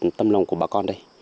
một tâm lòng của bà con đây